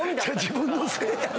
自分のせいやで。